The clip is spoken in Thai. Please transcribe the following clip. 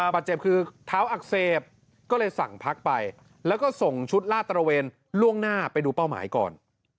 บาดเจ็บคือเท้าอักเสบก็เลยสั่งพักไปแล้วก็ส่งชุดลาดตระเวนล่วงหน้าไปดูเป้าหมายก่อน